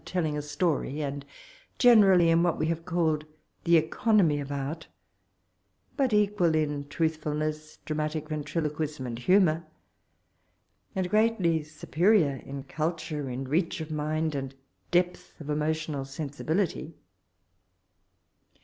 telling a story, and generally in what we have called the <^ economy of art ;" bat equal in truthfulness, dramatic ventriloquism, and humour, and . greatly superior in culture, reach of ; mind, and depth of emotional sensi 1 bility.